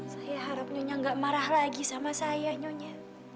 saya harapnya nyonya tidak marah lagi dengan saya nyonya